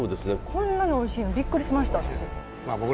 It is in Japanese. こんなにおいしいのびっくりしました。